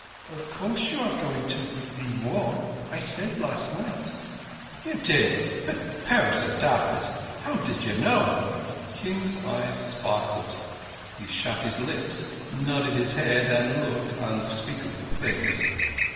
"Of course you are going to thee War. I said last night." "Ye did; but, Powers o' Darkness, how did ye know?" Kim's eyes sparkled. He shut his lips, nodded his head, and looked unspeakable things.